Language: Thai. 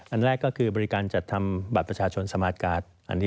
อันแรกก็คือบริการจัดทำบัตรประชาชนสมาร์ทการ์ด